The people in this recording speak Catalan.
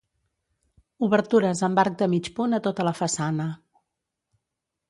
Obertures amb arc de mig punt a tota la façana.